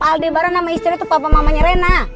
aldebaran sama istrinya itu papa mamanya rena